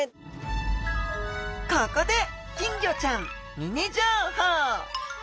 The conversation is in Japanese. ここで金魚ちゃんミニ情報。